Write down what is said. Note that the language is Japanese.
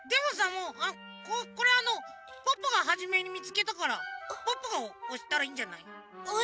もうこれあのポッポがはじめにみつけたからポッポがおしたらいいんじゃない？え？